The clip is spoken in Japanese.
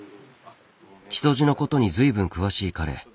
木曽路のことに随分詳しい彼。